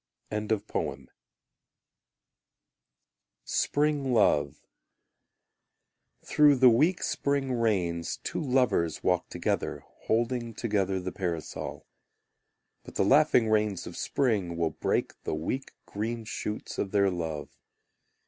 Spring Love Through the weak spring rains Two lovers walk together, Holding together the parasol. But the laughing rains of spring Will break the weak green shoots of their love.